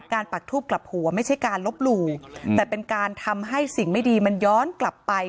ปักทูบกลับหัวไม่ใช่การลบหลู่แต่เป็นการทำให้สิ่งไม่ดีมันย้อนกลับไป